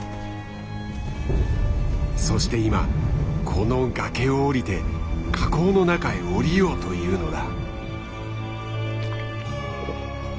そして今この崖を下りて火口の中へ下りようというのだ。